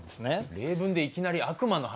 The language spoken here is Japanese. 例文でいきなり悪魔の話。